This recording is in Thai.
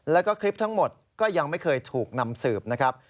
แล้วก็คลิปทั้งหมดก็ยังไม่เคยถูกนำสืบนะครับ